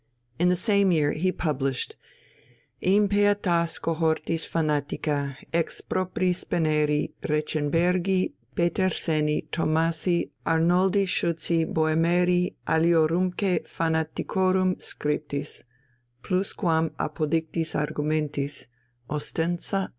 In the same year he published _Impietas cohortis fanatica, expropriis Speneri, Rechenbergii, Petersenii, Thomasii, Arnoldi, Schutzii, Boehmeri, aliorumque fanaticorum scriptis, plusquam apodictis argumentis, ostensa.